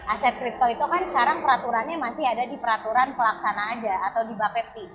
aset kripto itu kan sekarang peraturannya masih ada di peraturan pelaksana aja atau di bapepti